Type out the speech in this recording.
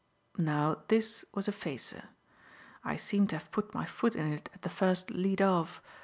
Now this was a facer. I seemed to have put my foot in it at the first lead off.